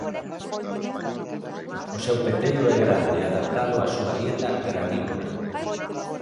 O seu peteiro é grande e adaptado á súa dieta granívora.